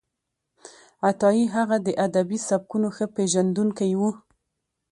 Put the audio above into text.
عطايي هغه د ادبي سبکونو ښه پېژندونکی و.